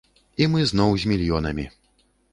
І мы зноў з мільёнамі.